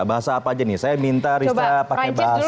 bahasa apa aja nih saya minta rista pakai bahasa